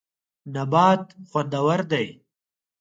نبات خوندور دی.